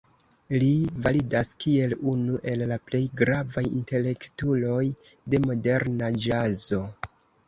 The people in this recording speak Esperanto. Li validas kiel unu el la plej gravaj intelektuloj de moderna ĵazo.